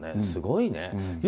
すごいね。